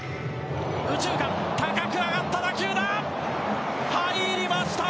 右中間高く上がった打球が入りました！